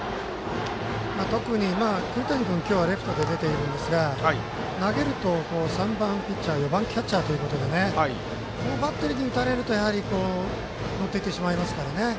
特に栗谷君はレフトで出ていますが投げると３番ピッチャー４番キャッチャーということでこのバッテリーに打たれると抜けてしまいますからね。